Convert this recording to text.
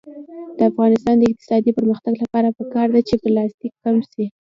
د افغانستان د اقتصادي پرمختګ لپاره پکار ده چې پلاستیک کم شي.